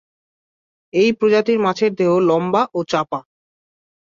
এই প্রজাতির মাছের দেহ লম্বা ও চাপা।